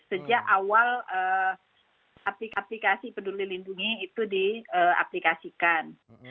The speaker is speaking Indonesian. sejak awal aplikasi aplikasi peduli lindungi itu diaplikasikan